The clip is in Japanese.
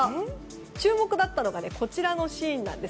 注目だったのがこちらのシーンです。